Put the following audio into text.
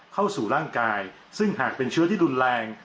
เข้าสู่ร่างกายซึ่งหากเป็นเชื้อที่รุนแรง